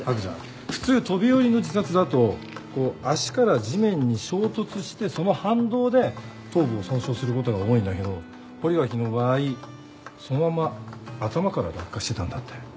普通飛び降りの自殺だとこう足から地面に衝突してその反動で頭部を損傷することが多いんだけど堀脇の場合そのまま頭から落下してたんだって。